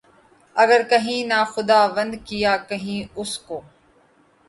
اگر کہیں نہ خداوند، کیا کہیں اُس کو؟